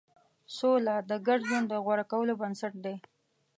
سوله د ګډ ژوند د غوره کولو بنسټ دی.